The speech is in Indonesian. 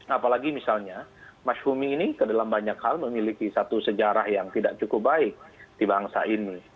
apalagi misalnya mas humi ini ke dalam banyak hal memiliki satu sejarah yang tidak cukup baik di bangsa ini